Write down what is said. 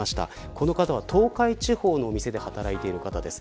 この方は東海地方の店で働いてる方です。